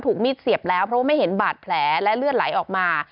มีดเสียบแล้วเพราะว่าไม่เห็นบาดแผลและเลือดไหลออกมา